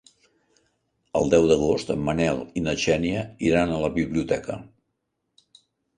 El deu d'agost en Manel i na Xènia iran a la biblioteca.